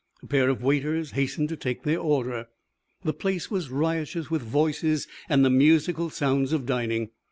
A pair of waiters hastened to take their order. The place was riotous with voices and the musical sounds of dining.